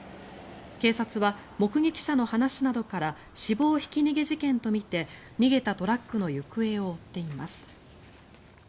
警察は目撃者の話などから死亡ひき逃げ事件とみて逃げたトラックの行方を追っています。